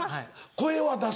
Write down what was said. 声は出す？